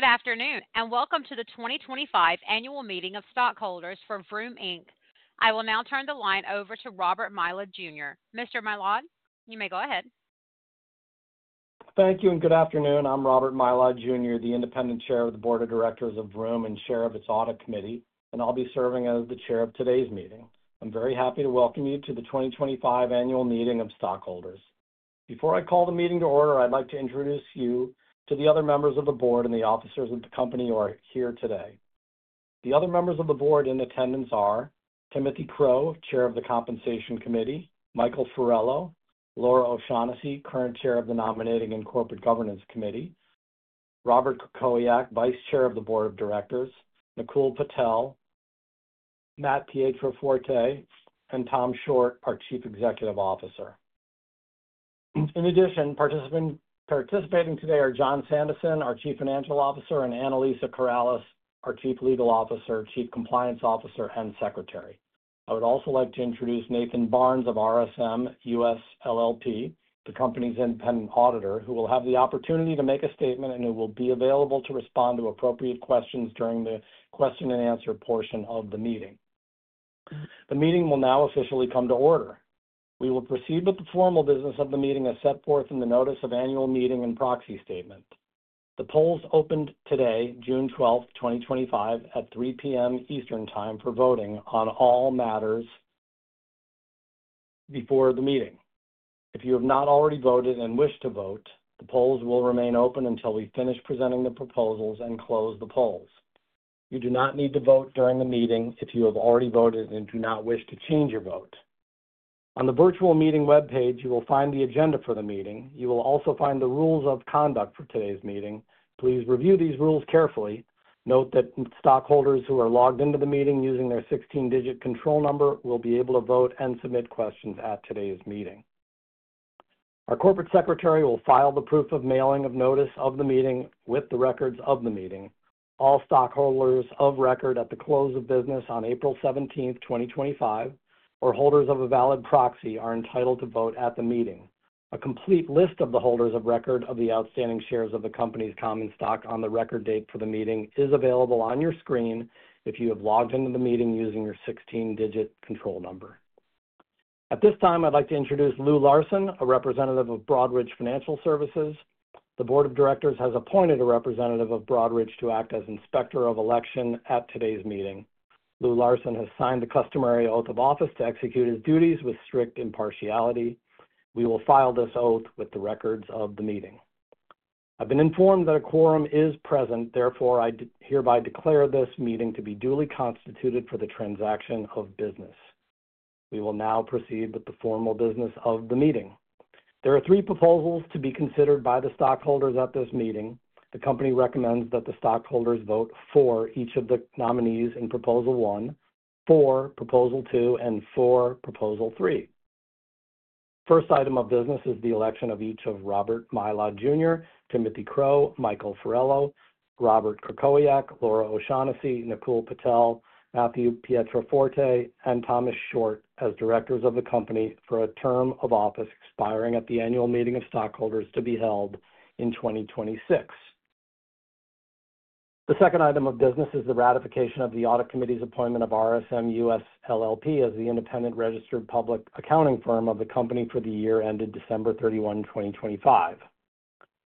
Good afternoon and welcome to the 2025 Annual Meeting of Stockholders for Vroom, Inc. I will now turn the line over to Robert Mylod, Jr. Mr. Mylod, you may go ahead. Thank you and good afternoon. I'm Robert Mylod, Jr., the Independent Chair of the Board of Directors of Vroom and Chair of its Audit Committee, and I'll be serving as the Chair of today's meeting. I'm very happy to welcome you to the 2025 Annual Meeting of Stockholders. Before I call the meeting to order, I'd like to introduce you to the other members of the board and the officers of the company who are here today. The other members of the board in attendance are Timothy Crow, Chair of the Compensation Committee; Michael J. Farello; Laura O'Shaughnessy, current Chair of the Nominating and Corporate Governance Committee; Robert Krakowiak, Vice Chair of the Board of Directors; Nicole Patel; Matthew Pietroforte; and Thomas Shortt, our Chief Executive Officer. In addition, participating today are Jon Sandison, our Chief Financial Officer, and Anna-Lisa Corrales, our Chief Legal Officer, Chief Compliance Officer, and Secretary. I would also like to introduce Nathan Barnes of RSM US LLP, the company's independent auditor, who will have the opportunity to make a statement and who will be available to respond to appropriate questions during the question-and-answer portion of the meeting. The meeting will now officially come to order. We will proceed with the formal business of the meeting as set forth in the Notice of Annual Meeting and Proxy Statement. The polls opened today, June 12, 2025, at 3:00 P.M. Eastern Time for voting on all matters before the meeting. If you have not already voted and wish to vote, the polls will remain open until we finish presenting the proposals and close the polls. You do not need to vote during the meeting if you have already voted and do not wish to change your vote. On the virtual meeting webpage, you will find the agenda for the meeting. You will also find the rules of conduct for today's meeting. Please review these rules carefully. Note that stockholders who are logged into the meeting using their 16-digit control number will be able to vote and submit questions at today's meeting. Our Corporate Secretary will file the proof of mailing of notice of the meeting with the records of the meeting. All stockholders of record at the close of business on April 17, 2025, or holders of a valid proxy are entitled to vote at the meeting. A complete list of the holders of record of the outstanding shares of the company's common stock on the record date for the meeting is available on your screen if you have logged into the meeting using your 16-digit control number. At this time, I'd like to introduce Lou Larsen, a representative of Broadridge Financial Services. The Board of Directors has appointed a representative of Broadridge to act as inspector of election at today's meeting. Lou Larsen has signed the customary oath of office to execute his duties with strict impartiality. We will file this oath with the records of the meeting. I've been informed that a quorum is present. Therefore, I hereby declare this meeting to be duly constituted for the transaction of business. We will now proceed with the formal business of the meeting. There are three proposals to be considered by the stockholders at this meeting. The company recommends that the stockholders vote for each of the nominees in Proposal 1, for Proposal 2, and for Proposal 3. First item of business is the election of each of Robert Mylod, Jr., Timothy Crow, Michael Farrello, Robert Krakowiak, Laura O'Shaughnessy, Nicole Patel, Matthew Pietroforte, and Thomas Shortt as directors of the company for a term of office expiring at the Annual Meeting of Stockholders to be held in 2026. The second item of business is the ratification of the Audit Committee's appointment of RSM US LLP as the independent registered public accounting firm of the company for the year ended December 31, 2025.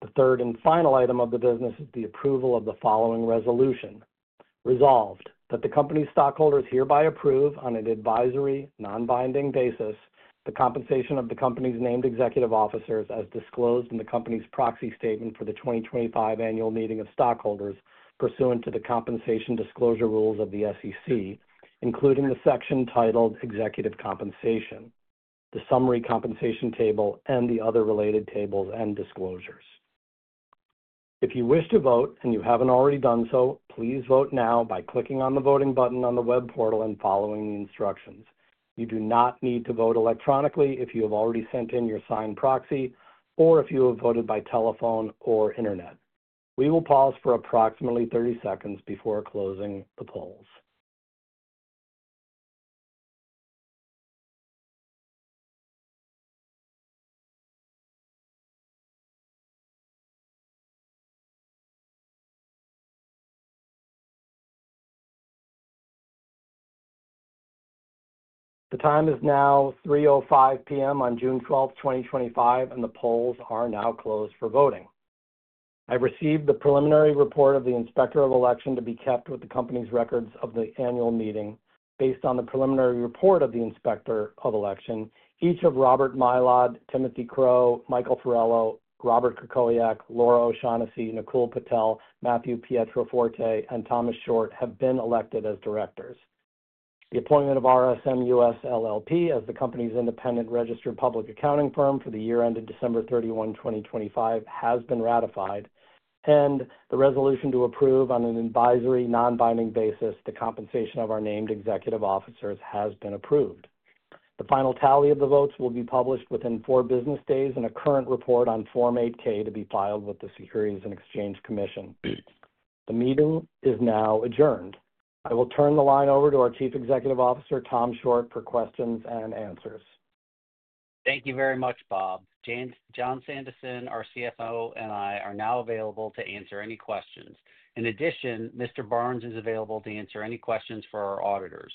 The third and final item of the business is the approval of the following resolution: Resolved that the company's stockholders hereby approve, on an advisory, non-binding basis, the compensation of the company's named executive officers as disclosed in the company's proxy statement for the 2025 Annual Meeting of Stockholders pursuant to the compensation disclosure rules of the SEC, including the section titled Executive Compensation, the Summary Compensation Table, and the other related tables and disclosures. If you wish to vote and you haven't already done so, please vote now by clicking on the voting button on the web portal and following the instructions. You do not need to vote electronically if you have already sent in your signed proxy or if you have voted by telephone or internet. We will pause for approximately 30 seconds before closing the polls. The time is now 3:05 P.M. On June 12, 2025, and the polls are now closed for voting. I've received the preliminary report of the inspector of election to be kept with the company's records of the annual meeting. Based on the preliminary report of the inspector of election, each of Robert Mylod, Timothy Crow, Michael Farello, Robert Krakowiak, Laura O'Shaughnessy, Nicole Patel, Matthew Pietroforte, and Thomas Shortt have been elected as directors. The appointment of RSM US LLP as the company's independent registered public accounting firm for the year ended December 31, 2025, has been ratified, and the resolution to approve on an advisory, non-binding basis the compensation of our named executive officers has been approved. The final tally of the votes will be published within four business days and a current report on Form 8-K to be filed with the U.S. Securities and Exchange Commission. The meeting is now adjourned. I will turn the line over to our Chief Executive Officer, Tom Shortt, for questions and answers. Thank you very much, Bob. Jon Sandison, our CFO, and I are now available to answer any questions. In addition, Mr. Barnes is available to answer any questions for our auditors.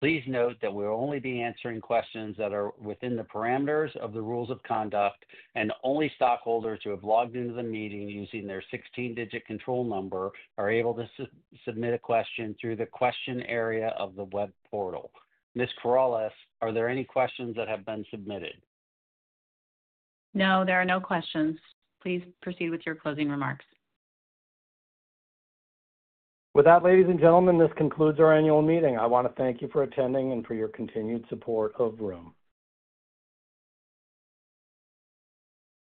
Please note that we'll only be answering questions that are within the parameters of the rules of conduct, and only stockholders who have logged into the meeting using their 16-digit control number are able to submit a question through the question area of the web portal. Ms. Corrales, are there any questions that have been submitted? No, there are no questions. Please proceed with your closing remarks. With that, ladies and gentlemen, this concludes our annual meeting. I want to thank you for attending and for your continued support of Vroom.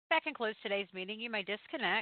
That concludes today's meeting. You may disconnect.